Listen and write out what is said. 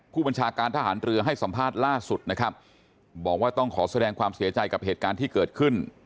ผู้บัญชาการทหารเรือให้สัมภาษณ์ล่าสุดนะครับบอกว่าต้องขอแสดงความเสียใจกับเหตุการณ์ที่เกิดขึ้น